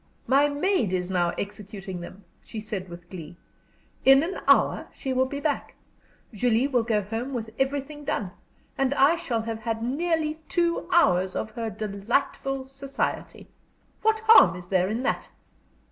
"My maid is now executing them," she said, with glee. "In an hour she will be back. Julie will go home with everything done, and I shall have had nearly two hours of her delightful society. What harm is there in that?"